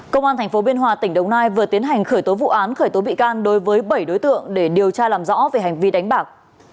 công an tp biên hòa tỉnh đồng nai vừa tiến hành khởi tố vụ án khởi tố bị can đối với bảy đối tượng để điều tra làm rõ về hành vi đánh bạc